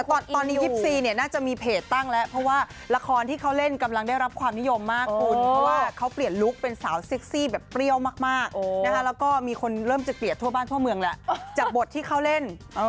ตอนนี้๒๔เนี่ยน่าจะมีเพจตั้งแล้วเพราะว่าละครที่เขาเล่นกำลังได้รับความนิยมมากคุณเพราะว่าเขาเปลี่ยนลุคเป็นสาวเซ็กซี่แบบเปรี้ยวมากนะคะแล้วก็มีคนเริ่มจะเปลี่ยนทั่วบ้านทั่วเมืองแล้วจากบทที่เขาเล่น